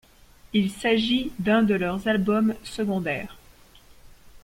Il s'agit d'un de leurs albums secondaires.